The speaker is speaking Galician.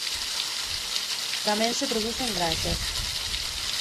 Tamén se produce en granxas.